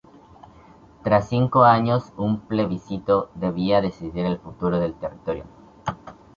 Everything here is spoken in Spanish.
Tras cinco años un plebiscito debía decidir el futuro del territorio.